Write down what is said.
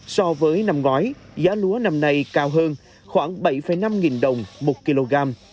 so với năm ngoái giá lúa năm nay cao hơn khoảng bảy năm nghìn đồng một kg